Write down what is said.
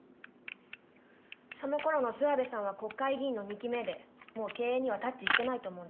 その頃の諏訪部さんは国会議員の２期目でもう経営にはタッチしてないと思うんですが。